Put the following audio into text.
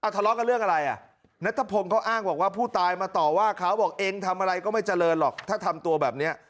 ทะเลาะกับเรื่องอะไรอ่ะนัทพงศ์เขาอ้างบอกว่าผู้ตายมาต่อว่าเขาบอกเองทำอะไรก็ไม่เจริญหรอกถ้าทำตัวแบบนี้